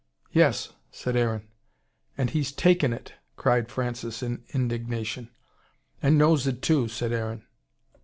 "Yes!" said Aaron. "And he's TAKEN it !" cried Francis in indignation. "And knows it, too," said Aaron.